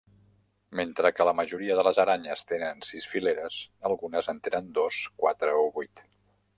Mentre que la majoria de les aranyes tenen sis fileres, algunes en tenen dos, quatre o vuit.